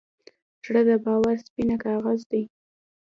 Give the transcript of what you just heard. زړه د باور سپینه کاغذ دی.